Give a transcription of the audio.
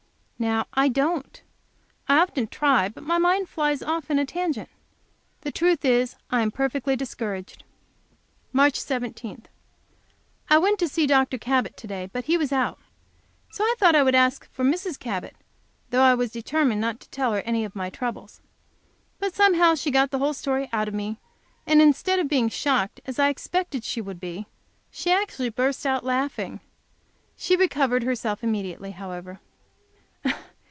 Now I don't. I often try, but my mind flies off in a tangent. The truth is I am perfectly discouraged. March 17. I went to see Dr. Cabot to day, but he was out, so I thought I would ask for Mrs. Cabot, though I was determined not to tell her any of my troubles. But somehow she got the whole story out of me, and instead of being shocked, as I expected she would be, she actually burst out laughing! She recovered herself immediately, however.